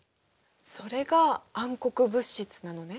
それが暗黒物質なのね！